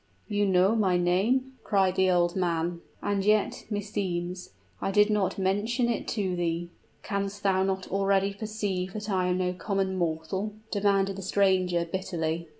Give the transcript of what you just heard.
you know my name!" cried the old man. "And yet, meseems, I did not mention it to thee." "Canst thou not already perceive that I am no common mortal?" demanded the stranger, bitterly.